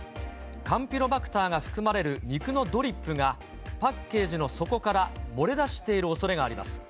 カンピロバクターが含まれる肉のドリップが、パッケージの底から漏れ出しているおそれがあります。